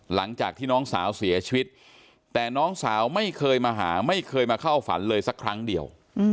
หลังจากที่น้องสาวเสียชีวิตแต่น้องสาวไม่เคยมาหาไม่เคยมาเข้าฝันเลยสักครั้งเดียว